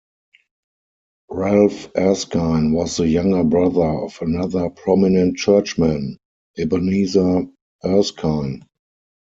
Ralph Erskine was the younger brother of another prominent churchman, Ebenezer Erskine.